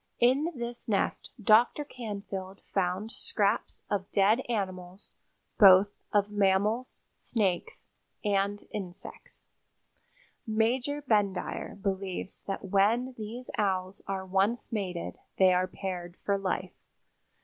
In this nest Dr. Canfield found scraps of dead animals, both of mammals, snakes and insects. Major Bendire believes that when these Owls are once mated they are paired for life.